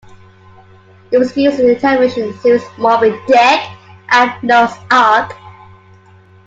It was used in the television series "Moby Dick" and "Noah's Ark".